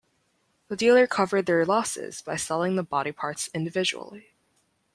The dealer covered their losses by selling the body parts individually.